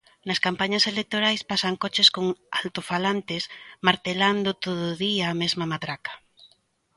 Nas campañas electorais pasan coches con altofalantes martelando todo o día a mesma matraca